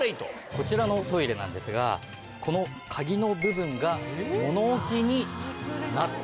こちらのトイレなんですがこの鍵の部分が物置になっています。